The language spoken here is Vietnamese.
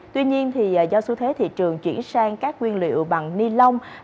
tuy nhiên do xu thế thị trường chuyển sang các nguyên liệu bằng ni lông